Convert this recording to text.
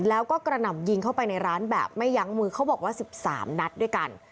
แล้วก็กระหน่ำยิงเข้าไปในร้านแบบไม่ยั้งมือเขาบอกว่า๑๓นัดด้วยกัน